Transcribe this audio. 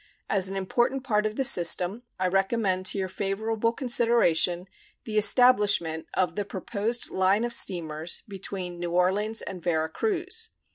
As an important part of the system, I recommend to your favorable consideration the establishment of the proposed line of steamers between New Orleans and Vera Cruz.